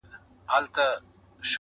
د یارانې مثال د تېغ دی-